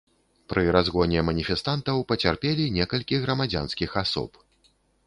Пры разгоне маніфестантаў пацярпелі некалькі грамадзянскіх асоб.